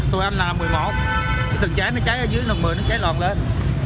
tụi anh làm một mươi một cái tầng cháy nó cháy ở dưới tầng một mươi nó cháy lòn lên